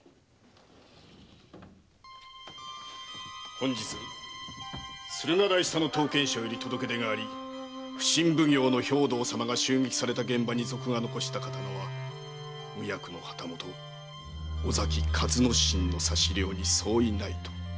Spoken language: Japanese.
本日駿河台下の刀剣商より届け出があり普請奉行・兵藤様が襲撃された現場に賊が残した刀は無役の旗本・尾崎一之進の差料に相違ないと。